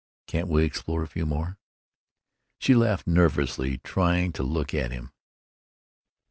Can't we explore a few more——" She laughed nervously, trying to look at him.